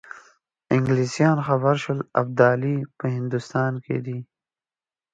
انګلیسان خبر شول ابدالي په هندوستان کې دی.